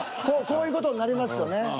こういう事になりますよね。